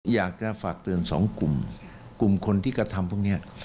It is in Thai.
อยากจะฝากเตือนสองกลุ่มกลุ่มคนที่กระทำพวกนี้